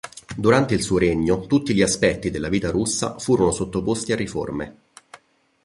Durante il suo regno tutti gli aspetti della vita russa furono sottoposti a riforme.